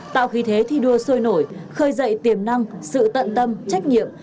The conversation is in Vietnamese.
tạo khí thế thi đua sôi nổi khơi dậy tiềm năng sự tận tâm trách nhiệm